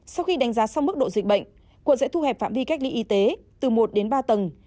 sau khi đánh giá xong mức độ dịch bệnh quận sẽ thu hẹp phạm vi cách ly y tế từ một đến ba tầng